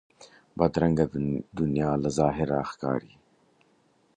بدرنګه دنیا له ظاهره ښکاري